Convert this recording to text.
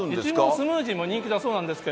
スムージーも人気だそうなんですが。